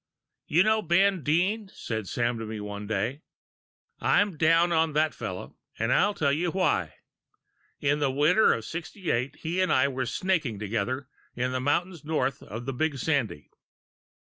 "You know Ben Dean," said Sam to me one day; "I'm down on that fellow, and I'll tell you why. In the winter of '68 he and I were snaking together in the mountains north of the Big Sandy."